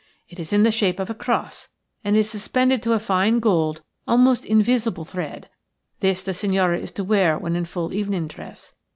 It is in the shape of a cross, and is suspended to a fine gold, almost invisible, thread. This the signora is to wear when in full evening dress.